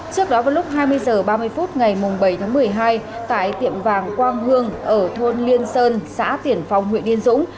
trước đó vào lúc hai mươi h ba mươi phút ngày bảy tháng một mươi hai tại tiệm vàng quang hương ở thôn liên sơn xã tiển phong huyện yên dũng